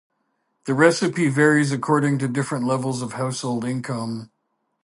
The recipe varies according to different levels of household income.